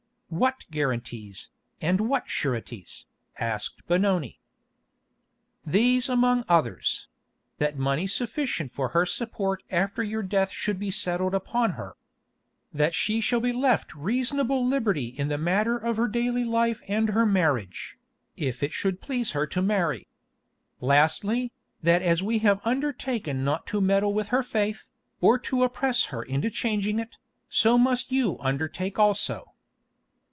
"What guarantees, and what sureties?" asked Benoni. "These among others—That money sufficient for her support after your death should be settled upon her. That she shall be left reasonable liberty in the matter of her daily life and her marriage, if it should please her to marry. Lastly, that as we have undertaken not to meddle with her faith, or to oppress her into changing it, so must you undertake also."